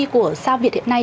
của sao việt hiện nay